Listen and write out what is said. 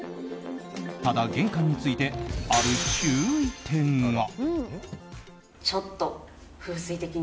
ただ、玄関についてある注意点が。